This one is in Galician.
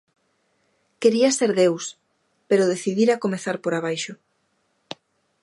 Quería ser deus, pero decidira comezar por abaixo.